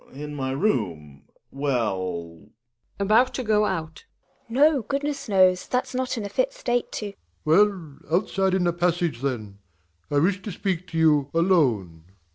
Gregers. In my room — well About to go out. GiNA. No, goodness knows, that's not in a fit state to Weble. Well, outside in the passage, then; I wish to speak to you alone.